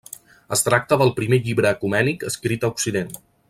Es tracta del primer llibre ecumènic escrit a Occident.